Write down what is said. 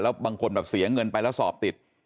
แล้วบางคนเสียเงินไปรัวสอบติด